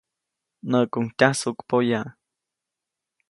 Näʼkuŋ tyajsuʼk poya.